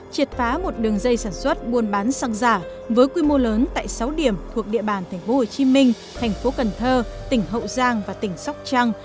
triệt phá một đường dây sản xuất buôn bán xăng giả với quy mô lớn tại sáu điểm thuộc địa bàn thành phố hồ chí minh thành phố cần thơ tỉnh hậu giang và tỉnh sóc trăng